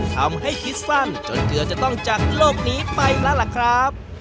ทำให้คิดสั้นจนเจอจะต้องจักโลกนี้ไปแล้วล่ะครับ